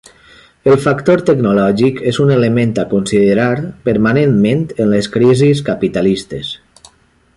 El factor tecnològic és un element a considerar permanentment en les crisis capitalistes.